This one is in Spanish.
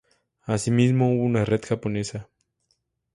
Asimismo hubo una red japonesa.